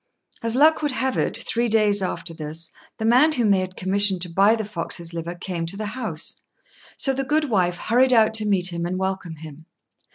As luck would have it, three days after this the man whom they had commissioned to buy the fox's liver came to the house; so the goodwife hurried out to meet him and welcome him.